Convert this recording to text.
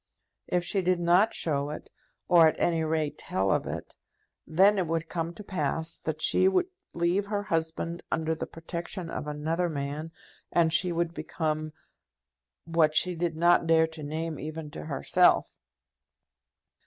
If she did not show it, or, at any rate, tell of it, then it would come to pass that she would leave her husband under the protection of another man, and she would become what she did not dare to name even to herself.